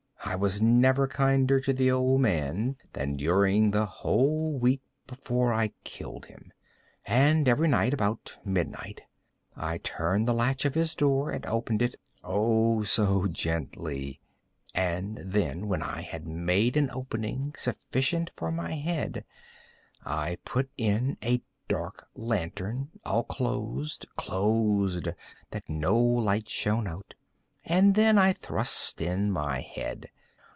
I was never kinder to the old man than during the whole week before I killed him. And every night, about midnight, I turned the latch of his door and opened it—oh, so gently! And then, when I had made an opening sufficient for my head, I put in a dark lantern, all closed, closed, that no light shone out, and then I thrust in my head.